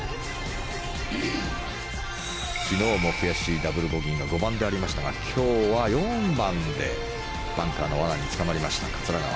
昨日も悔しいダブルボギーの５番でありましたが今日は４番でバンカーの罠に捕まりました、桂川。